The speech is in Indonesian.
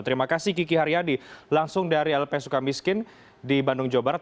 terima kasih kiki haryadi langsung dari lp suka miskin di bandung jawa barat